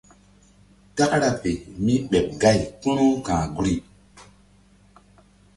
Takra fe mí ɓeɓ gay kpu̧ru ka̧h guri.